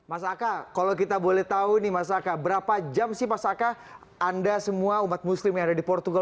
mas aka kalau kita boleh tahu nih mas aka berapa jam sih mas aka anda semua umat muslim yang ada di portugal